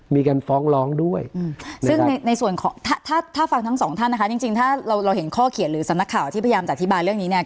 มีการฟ้องร้องด้วยซึ่งในส่วนของถ้าฟังทั้งสองท่านนะคะจริงถ้าเราเห็นข้อเขียนหรือสำนักข่าวที่พยายามจะอธิบายเรื่องนี้เนี่ย